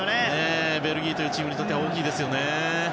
ベルギーというチームにとっては大きいですよね。